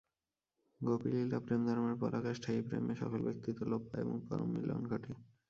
গোপীলীলা প্রেমধর্মের পরাকাষ্ঠা, এই প্রেমে সকল ব্যক্তিত্ব লোপ পায় এবং পরম মিলন ঘটে।